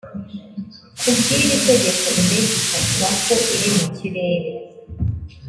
ku bw iri tegeko indege ifatwa ko iri mu kirere